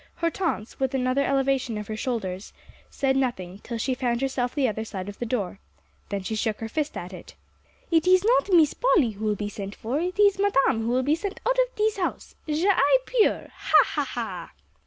Hortense, with another elevation of her shoulders, said nothing, till she found herself the other side of the door. Then she shook her fist at it. "It ees not Miss Polly who will be sent for; it ees Madame who will be sent out of dees house, j'ai peur ha, ha, ha!"